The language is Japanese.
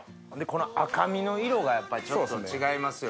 この赤身の色がやっぱりちょっと違いますよね。